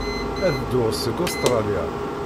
Ad dduɣ seg Ustṛalya.